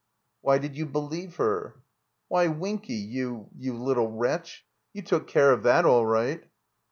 "Why did you believe her?" "Why, Winky, you, you little wretch, you took care of that all right."